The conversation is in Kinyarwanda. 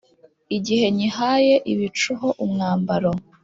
igihe nyihaye ibicu ho umwambaro,